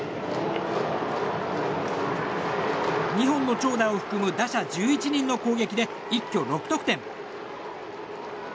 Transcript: ２本の長打を含む打者１１人の攻撃で一挙６得点。